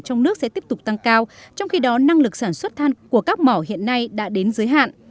trong nước sẽ tiếp tục tăng cao trong khi đó năng lực sản xuất than của các mỏ hiện nay đã đến giới hạn